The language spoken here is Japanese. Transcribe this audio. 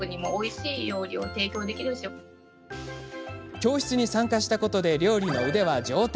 教室に参加したことで料理の腕は上達。